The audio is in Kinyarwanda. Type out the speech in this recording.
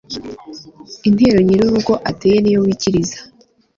intero nyirurugo ateye niyo wikiriza